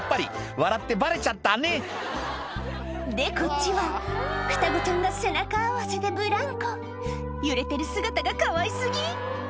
笑ってバレちゃったねでこっちは双子ちゃんが背中合わせでブランコ揺れてる姿がかわい過ぎ